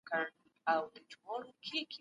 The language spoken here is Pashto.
شننه باید د علمي اصولو تابع وي.